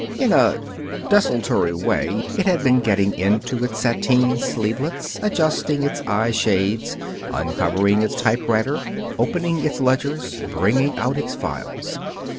In a desultory way, it had been getting into its sateen sleevelets, adjusting its eye shades, uncovering its typewriter, opening its ledgers, bringing out its files.